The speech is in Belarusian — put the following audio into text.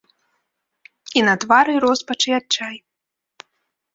І на твары роспач і адчай.